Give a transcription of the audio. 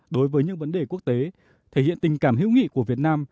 đối với những vấn đề quốc tế thể hiện tình cảm hữu nghị của việt nam